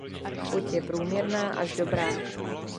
Chuť je průměrná až dobrá.